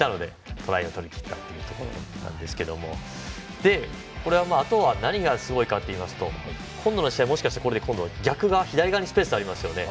トライを取りきったというところなんですけどあとは何がすごいかといいますと今度の試合、逆がスペースありますよね。